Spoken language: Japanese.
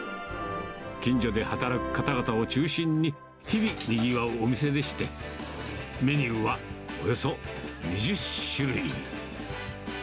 近所で働く方々を中心に、日々、にぎわうお店でして、メニューはおよそ２０種類。